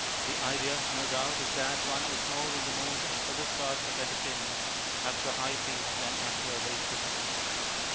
The idea, no doubt, is that one is more in the mood for this sort of entertainment after a high tea than after a late dinner.